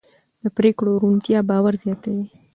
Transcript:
د پرېکړو روڼتیا باور زیاتوي